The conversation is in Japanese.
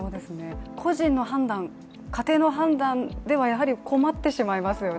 個人の判断、家庭の判断ではやはり困ってしまいますよね。